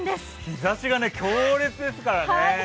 日ざしが強烈ですからね。